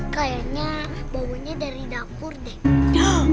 kayaknya baunya dari dapur deh